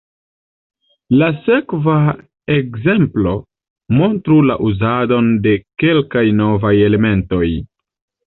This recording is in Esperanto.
La sekva ekzemplo montru la uzadon de kelkaj novaj elementoj.